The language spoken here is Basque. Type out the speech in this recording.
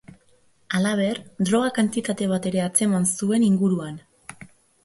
Halaber, droga kantitate bat ere atzeman zuen inguruan.